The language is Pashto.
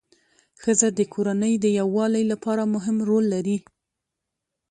ښځه د کورنۍ د یووالي لپاره مهم رول لري